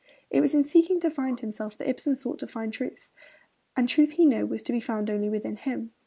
It was in seeking to find himself that Ibsen sought to find truth; and truth he knew was to be found only within him.